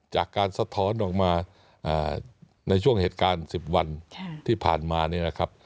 จากการสะท้อนออกมาในช่วงเหตุการณ์๑๐วันที่ผ่านมา